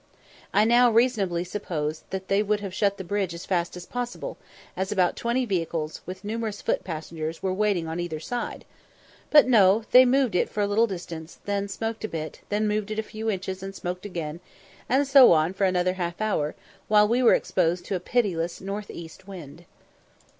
I now reasonably supposed that they would have shut the bridge as fast as possible, as about twenty vehicles, with numerous foot passengers, were waiting on either side; but no, they moved it for a little distance, then smoked a bit, then moved it a few inches and smoked again, and so on for another half hour, while we were exposed to a pitiless north east wind.